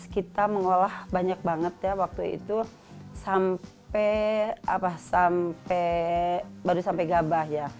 dua ribu tiga belas kita mengolah banyak banget ya waktu itu sampai apa sampai baru sampai gabah ya